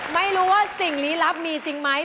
ไม่รู้ว่าสิ่งลี้ลับมีจริงไหม